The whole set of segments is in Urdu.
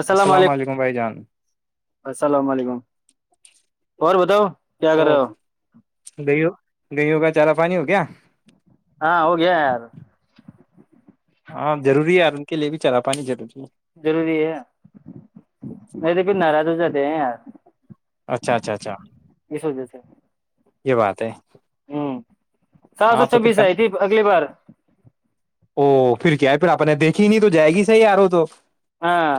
السلام علیکم السلام علیکم اور بتاؤ کیا کر او رہے ہو گئی ہو گئی ہو کا چالا پانی ہو گ کیا ہاں ہو گیا یار ہاں ضوری ہے یار ان کے لیے بھی چلا پانی ضروری ہے ضروری ہے نہیں تو پھر ناراض ہو جاتے ہیں یار اچھا اچھا اچھا اس وجہ سے یہ بات ہے ہاں سار سو ہاں تو پھر چھبیس کن- ہے تھی اگلی بار او پھر کیا ہے پھر آپ نے دیکھی نہیں تو جائے گی صحیح یارو تو ہاں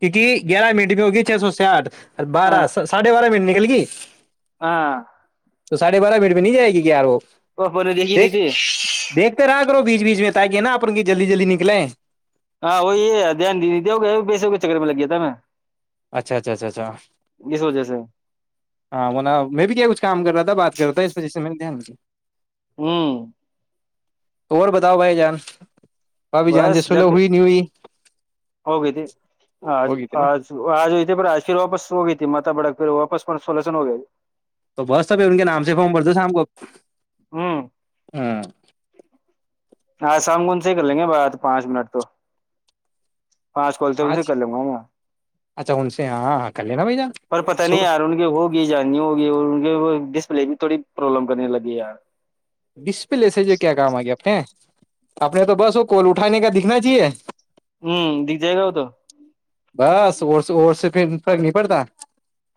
کیونکہ گیارہ منٹ میں ہوگی چھ سو سیاٹھ ہاں بارہ ساھ بارہ منے کل کی ہاں تو ساھے بارہ منٹ میں نہیں جائے گیار وہ وہ ب دیکھی نہیں تھی و بیچ بیچ میں ت کیا ہے نا اپن جلدی جلدی نکلیں ہاں وہی ہے دھیان د ہو گیا پیسوں کے میں لگ گیا تھا میں اچھا اچھا اچھا اچھا اس وجہ سے ہاں وہنا میں بھی کیا کچھ کام کر رہا تھا بات کر رہا تھا اس وجہ سے میں نے دھیان د ہوں اور بتاؤ بھائی جان بھابھی جان بس سے سلح جک ہوئی نہیں ہوئی ہوگتی آج ہوگی تھی نا آج آج پر آج پھر واپس ہو گئی تھی ماتا بڑک پھر واپس پر سولوشن ہو گیا تو بس سبھی ان کے نام سے فم بھر دو شام کو ہ ہ [inaudible] ہاں سام گن سے ہی کر لیں گے بعات پانچ منٹ تو پانچ کال سے ان سے آج کر لوں گا نا اچھا ان سے ہاں ہاں کر لینا بھائی جان پر پتا نہیں یار ان کی ہوگی جاننی ہوگی اور ان کے وہ ج پے بھی تھوڑی پرابلم کرنے لگی ہے یار بیس پہ لےسج کیا کام آ گیا آپ کے اپنے تو بس وہ کول اٹھانے کا دکھنا چاہیے ہوں دیگ جائے گا ہو تو بس اور سے اور سے پھر فرق نہیں پڑتا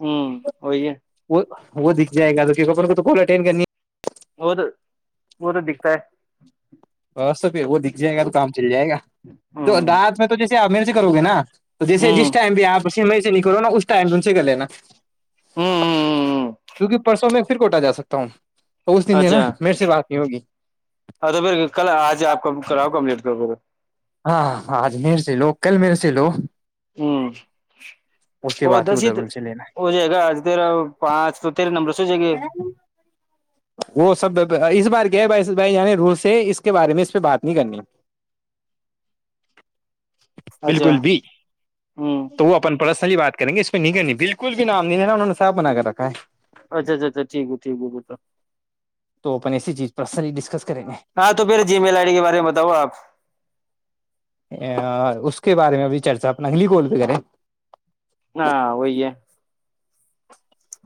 ہوں وہی ہے وہ وہ دکھ جائے گا تو اپن کو تو ب اٹین کرنی ہے وہ تو وہ تو دکھتا ہے بس پھر وہ دکھ جائے گا تو کام چل جائے گا تو ہوں دانت میں تو جیسے میرے سے کرو گے نا تو جیسے ہوں جس ٹائم بھی آپ س سے نکلو نا اس ٹائم ان سے کر لینا ہوں کیونکہ پرسوں میں پھر کوٹا جا سکتا ہوں تو اس دن سے نا اچھا میر سے بات نہیں ہوگی ہاں تو پھر کل آج آپ کب کراؤ کملیٹ کر پے ہاں آج میر سے لو کل میر س لو ہوں اس کے اور بعد پھر دس ہی ادھر تو ان سے لینا ہے ہو جائے گا تیرا پانچ تو تری نمر ہ وہ سب اس بار کیا ہے بھائی بھائی یعنی رو سے اس کے بارے میں اس پہ بات نہیں کرنی اچھا بالکل بھی ہوں تو وہ اپن پرسن سحی بات کریں گے اس میں نہیں کرنی بالکل بھی نام نہیں ہےا انہوں نے صا بنا کر رکھا ہے اچھ اچھ اچھاٹھیک ہے ٹیک ہے تو تو اپن ایسی چیز پرسن ہاں تو پھر جی میل آئی ڈی کے بارے میں بتاؤ آپ گے اس کے بارے میں ابھی چرچا اپنا اگلی کوول وغیرہ ہاں وہی ہے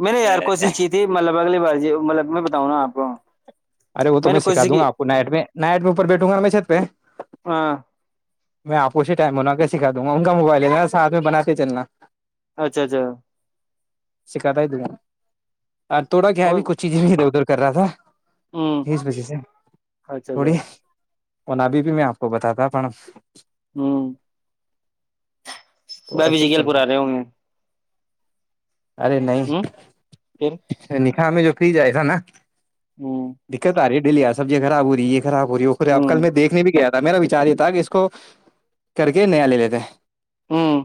میں نے یار کوشش کی تھی مطلب اگلی بار جی مطلب میں بتاؤں نا آپ کو ارے وہ تو نے میں سکھا کوشش دوں کی گا آپ کو نائٹ میں نائٹ میں اوپر بیٹھوں گا میں چھت پہ ہاں میں آپوں سے ٹائم بنا کر سکھا دوں گا ان کا موبائل ہےساتھ میں بناتے چلنا اچھا اچھا سکھاتا ہیں تھوڈا اور کر رہا تھا ہوں کس وجہ سے اچھا اچھا پڑی ان ابھی بھی میں آپ کو بتاتا تھا نہ ہمم تھوڑا میں ابھی ایسے ہی جگل چل پور رہا آ رہے ہوں ارے نہیں ہوں پھر نہیں ہوں [inaudible] دقت آ رہی ہے لیا سبزیا خراب ہوری ہے خراب ہو رہی اوپر کل ہوں میں دیکھنے بھی گیا تھا میرا وچار یہ تھا کہ اس کو کر کے نیا لے لیتے ہیں ہمم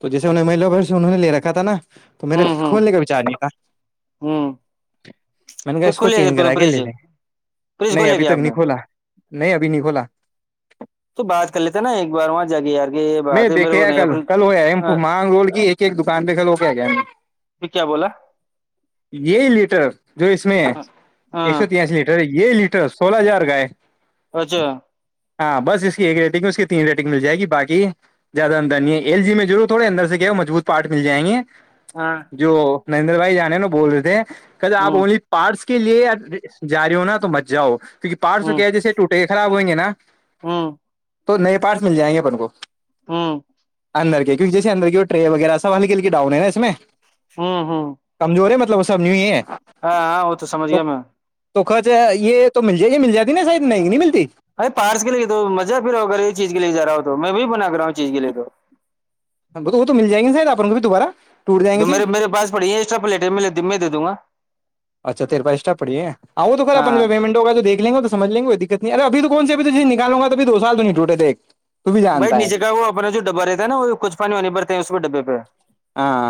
تو جیسے انہیں مہلھر انہوں نے لے رکھا تھا نا تو میر ہوں ہوں کھولنے کا و چار نہیں کا ہوں میں نے کہا پھر اس کو کھولے گیا چینج تو نے کرا کے فریج لے لیں فریج نہیں کھولے ابھی گیا تک آپ نے نہیں کھولا نہیں ابھی نہیں کھولا تو بات کر لیتا نا ایک بار وہاں جاگی یار کے یہ بات ہے میں کیا کل کل ہویا ہے مانگ رول کی ایک ایک دکان پہ کل ہو کے گ پھر کیا بولا یہ لیٹر جو اس میں ہے ایک ہاں سو تیاسی لیٹر ہے یہ لیٹر سولہ ہزار کا ہے اچھا ہاں بس اس کی ایک ریٹنگ ہے اس کی تین ریٹنگ مل جائے گی باقی زیادہ اندر نہیں ہے ایل جی میں رور تھوڑ اندر سے کیا ہو مبوط پارٹ مل جائں گے ہاں جو نریندر بھائی جانے نا بول رہے تھے کہی اپ ہوں وہی پارسل کے لیے جاری ہوناا تو بچ جاؤ کیونک پارس تو کیا جس ٹوٹے خراب ہو گے نا ہمم تو نئے پارٹس مل جائیں گے اپن کو ہمم اندر کے کیکہ جیے اندر کی ٹے وغیرہ سبال کےل ڈؤن ہے نا اس میں ہوں ہوں بسبی ہے ہاں ہاں وہ تو سمج گیا میں تو خچ ہے یہ تو مل جائے یہ مل جاتی نا شید نہیں مل ار پارس کے لیے تو مزہ پھر اغگر یہ چیز کے لیے جا رہا ہو تو میں بھیی بنا کر رہا ہوں چیز کے لیے تو ب تو وہ تو مل جائیں گے شاید آپ کو بھی دوبارہ ٹوٹ جائیں گے تو میرے میرے پس پڑی ہے ایکسٹا پلیٹے دے د د گا اچھا تیر پاچٹ پڑے آؤ تو پھر اپنا ہاں جو پیمٹ ہوگا جو دھ لیں گے تو سمجھ لیں گے کتنی اے اب تو کون س ابھی نکالوں گا اب دو سال تو نہیںٹوٹے تھ ایک بھائی نیچے کا وہ اپنا جو ڈبا رہتا ہے نا وہ کچھ پانی وہنی ب اس بھی ڈبے پہ ہاں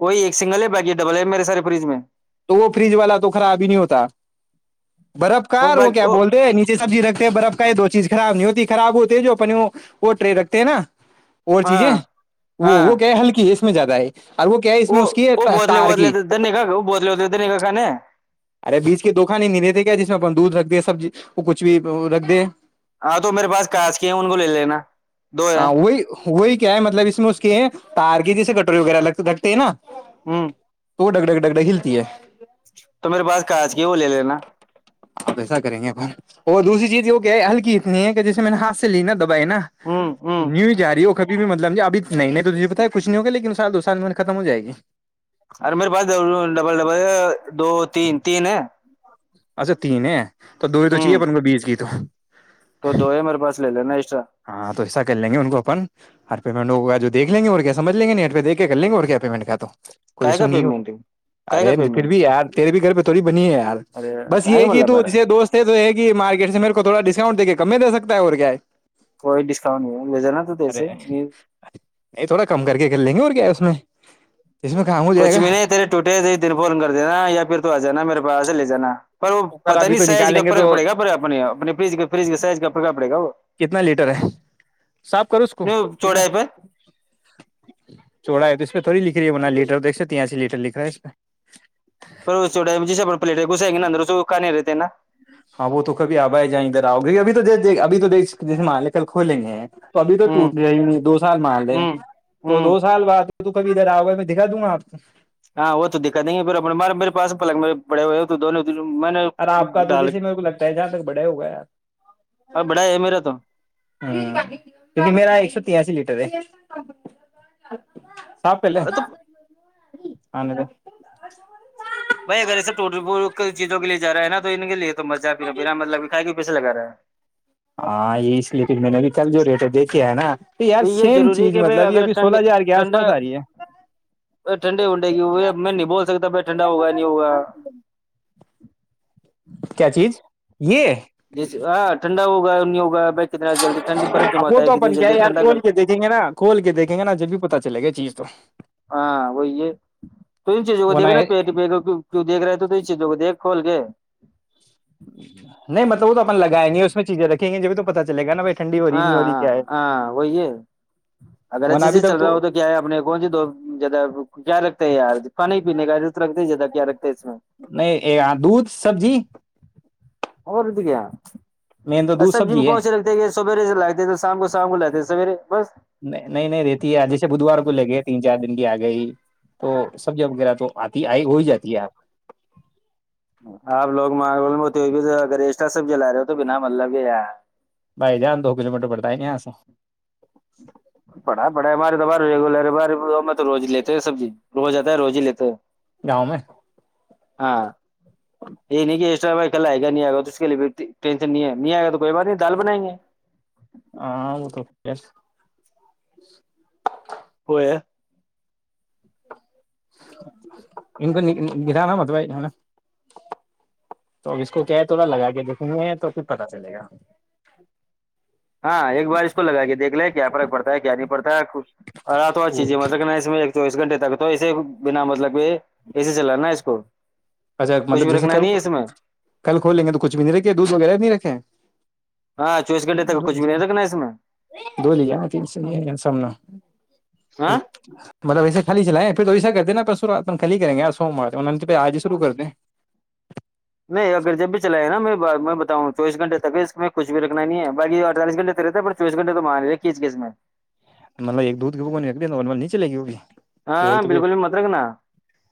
کوئی ایک سنگل ہے بیکی ڈبل ہے میرے سارے فریج میں تو وہ فریج والا تو خراب ہی نہیں ہوتا برف کا وہ باقی کیا بول رہے نیچے سبزی رکھتے برف کا یہ دو چیز خراب نہیں ہوتی خراب ہوتے ہیں جو اپنی وہ ٹرے رکھتے ہیں نا اور ہاں چیزیں وہ ہاں وہ کیا ہلکی میں زیادہ ہے اور کیا ہے اس وہ میں اس کی ہے وہ بتل تار بتل کی تھ دن کا گ وہ بے ب د نہیں کا ک ن ارے بیج کی دکان ہی نہیں رہتے کیا جس میں دودھ رکھ دے سبزی کچھ بھی رکھ دے ہاں تو میرے پاس کانچ کی ہیں ان کو لے لینا دو ہے ہاں وہی وہی کیا ہے مطلب اس میں اس کے ہیں تار کی جیسے کٹوری وغیرہ لگ ڈھکتے ہےا ہوں تو ڈگڑے ڈگڑے ہلتی ہے [inaudible] تو میرے پاس کاج کی وہ لے لینا اب ایسا کریں گے اپن اور دوسری چیز یہ کیا ہے ہلکیتنی ہے کہ جسے میں نے ہاتھ سے ل نا بھ نا ہوں ہوں نیو جاری ب بھی مطلب اب نہیں تو تجھے پتا ہے کچھ نہیں ہوا لیکن سال دو سال میں ختم ہو جائے گی ارے میرے پاس ڈبل ڈبل دو تین تین ہے اچھا تین ہے تو دوری تو چاہیے ہوں پرن کو بیچ کی تو تو دو ہے میرے پاس لے لینا ایکسٹرا ہاں تو ایسا کر لیں گے ان کو اپن ہ پیمن ہو گیا جو دیک لیں گے اور کیامجھیں گ نہیںیٹ پ دیک کے کر لیں گے اور کیا پیمنٹ کیا تو کوئی ای سو کا نہیں ہوتا پیمنٹ ہے کا ارے پیمنٹ پھر بھی یار تیرے بھی گھر پہ تھوڑی بنی ہے یار یہ کہ تو جس دوست ہے تو یہ ہے مارکٹ سےیرے کو تھوا ڈسک دے کے کم میں دے ستا ہے اور کیا ہے کوئی ڈسکاؤنٹ نہیں لے جانا تو ارے تیسے نہیں تھوڑا کم کر کے کر لیں گے اور کیا اس میں اس میں کام ہو جائے کچھ گا بھی نہیں تیرے ٹے تھ دن فون کر دینا یا پھر تو جانا میرے پاس سے لے جانا پر وہ کر پتا ابھی تو نہیں سائز نکالیں کا گے تو فرق پڑے گا پر اپنے اپنے ف فج کا سائز کا فرق پڑےا وہ کتنا لیٹر ہے صاف کرو اس کو نہیں کتنا چوڑائی پہ چوڑا ہے تو اس تھوڑی لکھ رہی ہے بنا ل لیٹر دیکھ یہ سے ل لیٹر لکھ رہا پر چ جسا پ پلیٹ ہے گس گار س کان [unintelligible] ہاں وہ تو کبھی آب آئے جائیں ادھر آؤ گ اب تو ابھی تو جیے مالے کل کھولیں گے تو ابھی تو ہوں ٹوٹ گیا ہی نہیں دو سال مان لے ہوں تو ہوں دو سال بعد تو کب ادھر آؤ ہوا میں دکھا دوں گ آپ کو ہاں وہ تو دقت نہیں ہے پ مارے میر پاس پلگ میرے بڑے ہوئے ہو تو دونوں میں نے آپ کا تو ڈال جیسے میرے کو لگتا ہے جہاں تک بڑے ہوگئے یار اور بڑا ہے میرا تو ہ کیکہ میرا ایک سو تیاسی لیٹر [unintelligible] تو [unintelligible] [unintelligible] بھائی اگر ایسے ٹ چیزوں کے لیے جا ہے نا تو ان لیے تو مزہ بھی نانا مطلب کائے کے پیس لگا [unintelligible] میں نے ابھی کل جو ریٹ دیکھے ہے نا تو یار یہ سیم ضروری ہے چیز کہ بھائی مطلب یہ اگر ابھی سولہ ٹھنڈے ہزار کے آس پاس ٹھنڈا آ رہی ہے ٹھنڈے ونڈے کی ہوئے میں نہیں بول سکتا بھائی ٹھنڈا ہوگا نہیں ہوگا کیا چیز [unintelligible] جیسے [unintelligible] جلدی ٹھنڈی برف وہ جماتا تو کتنی اپن کیا ہے جلدی یار ٹھنڈا کر کھول کے دیکیں گے نا کھول کے دیکھیں گے نا جب بھی پتتا چلے گا چیز [unintelligible] ہاں وہی یہ تو ان چیزوں کو ورنہ دیکھناا پ پ کی دیک رہے تو ان چیزوں کو دیکھ [unintelligible] نہیں مطلب وہ تو اپن لگائیں گے اس میں چیزیں رکھیں گے جبھی تو پتا چلے گا نا ب ہاں ہاں ہاں وہی ہے اگر ورنہ اچھے ابھی سے چل تک رہا ہو تو کیا ہے اپنے کونی دو جیادہ کیا رکھتا ہے یار کھانے ہی پینے کا رکھتا جیادہ [unintelligible] نہیں یہ دودھ سبزی اور کیا مین تو دودھ میں سبزی ہے کون سے رکھتے ہیں سویرے سے لاتے تو شام کو شام کو لاتے سویرے بس نہیں نہیں رہتی ہے جیسے بدھوار کو لے کے تین چار دنی آ گئی تو سب وغیرہ تو آتی آئی ہو ہی جاتی ہے آپ آپ لوگ مول میںتے ہو اگر رسٹا سب جلا رہے ہو تو بنا مطلب یہیار بائی جان دو کلو مٹر پڑتا ہے نہیں آا پڑھا پڑھا ہے ہمارے توبار ریگولر ہے تو روز ہی لیتے سبزی روز آتا ہے روز ہی لیتے ہیں گاؤں میں ہاں یہ نہیں کہسٹر بھائی کل آئے گا نہیں آئے گا تو اس کے لیے ٹینشن نہیں ہے نہیں آئے گا تو کوئی بات نہیں دال بنائیں گے ہاں وہ تو ہو ہے ان کو د تھا نا متبائی نا تو اب اس کو کیا ہے تھوڑا لگا کے دئے ہیں تو پھر پتا چلے گا ہاں ایک بار اس کو لگا کے دیکھ لے کیا فرق پڑتا ہے کیا نہیں پڑتا ہے رات اور چیزیں مکھنا اس میں چویس گھنٹے تک تو اسے بنا مطلب ایسے چل نا اس کو اچھا کچھ مطلب بھی جیسے رکھنا کل نہیں ہے اس میں کل کھولیں گے تو کچھ بھی نہیں رکھے دودھ وغیرہ بھی نہیں رکھے ہاں چوبیس گھنٹے تک کچھ ڈلی بھی نہیں رکھنا اس میں جانا ڈلی جانا تین سو یہ ج سامنا ہاں مطلب ایسے خالی چلیں پھر تو ایسا کرتے نا پر خ کر گے س شرو کر دیں نہیں اگر جب بھی چل گ نا میں میں بتاوں چویس گھنٹےک اس میں کچھ بھی رکھنا نہیں ہے بای اڑتالس گھنٹ تیرے پر چوبیس گنے تو مان نہیںز کے اس میں مطلب ایک دودھ گو کو ن چےگ اییا ہاں بالکل بھی مت رکھنا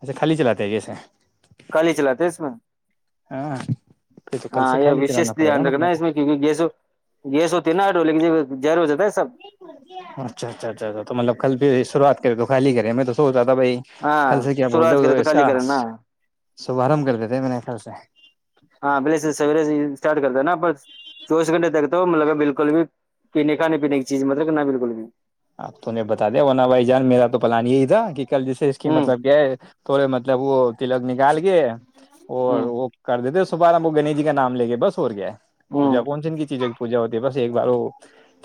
ایسے خالی چلاتے ہیں جیسے کالی چلاتے اس میں ہاں پھر تو کل سے ہاں یہ خالی چلانا وشش پڑے گا دھیان رکھ نا مطلب اس میں کیونکہ گیسوں گیس ہوتی ہے نا ڈولے کی زر ہو جاتا ہے سب اچھا اچھا اچھا اچھ تو مطلب کل پ شروات کرے تو خالی کریں میں تو سوات بھائی ہاں کل سے کیا بولتے شروعات ہو کرے تو اس کالی کا کرے نا شبارمب کرتے تھے میں نے کل سے ہاں پہلے سے سویرے سے اسٹارٹ کر د ہے نا پر چوبیس گھٹے تک تو مطلب بالکل بھی پینے کھانے پینے کی چیز مطلب کہ بالکل بھی پل نہیں یہ تھا کہ کل جیسے اس کی ہوں مطلب کہ تھوڑے مطلب وہ تلک نکال کے اور ہوں وہ کر دیتے صبارم وہ گنیش جی کا نام لے بس ہو اور گیا پوجا ہوں کون سین کی چیزیں کی پوجا ہوتی ہے بس ایک بار ہو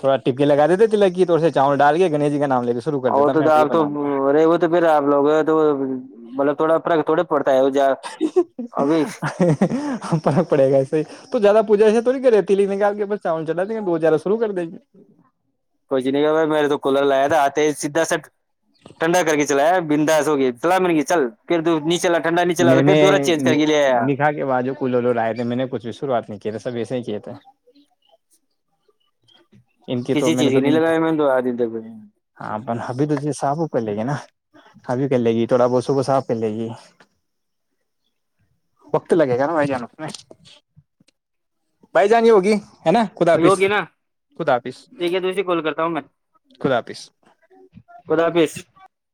تھوڑا ٹپکی لگا دیتے تلکی تو چاول ڈال کے گنیش جی کا نام لے کے شروع کر اور دیتا تو میں یہ آپ تو پلان رہے ہو تو پھر آپ لوگ تو مطلب تھوڑا فرق تھوڑے پڑ فرق پڑے گا ایسے ہی تو زیادہ پوجا ایس توھوری کرے نہیں کر رہتی لیکن آ کے پا چاول چلا لیکن دو ہہ کچھ نہیں کیا میر تو کولر لایا تھا آتے سیدھا سا ٹھنڈا کر کے چلایا بنداس ہوگئی فلاح من کی چل پھر نہیں چلا ٹھنڈا نہیں چلا میں تو پھر نے دورہ چینج کر کے لے آیا نکھا کے بعد جو کولولو آئے تھے میں نے کچھ شروعات نہیں کیا تھا سب ایسے ہی کیے تھے ان کی تو کسی میے چیز نہیں نے لگایا میں نے دو آ دن تک ہاں ابھی تو صابوپ لیں گے نا ابھی کر لے گی تھوڑا بہت صبح صاف کر لے گی وقت لگے گا نا بھائی جان اس میں بھائی جان ہی ہوگی ہے نا خدا حافظ ہوگی نا خدا حافظ ٹھیک ہے دوسری کال کرتا ہوں میں خدا حافظ خدا حافظ